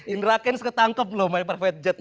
indrakens ketangkep loh main private jet loh